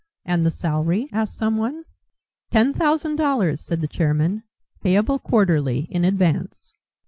"And the salary?" asked someone. "Ten thousand dollars," said the chairman, "payable quarterly in advance."